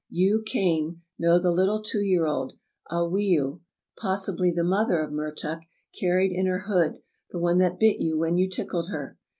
You (Kane) know the little two year old that Awiu (possibly the mother of Mertuk) carried in her hood — the one that bit you when you tickled her.